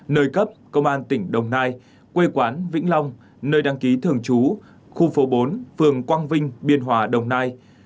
nơi cấp công an tỉnh đồng nai quê quán vĩnh long nơi đăng ký thường trú khu phố bốn phường quang vinh biên hòa đồng nai